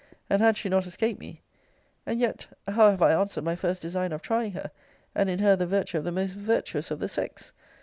And had she not escaped me And yet how have I answered my first design of trying her,* and in her the virtue of the most virtuous of the sex?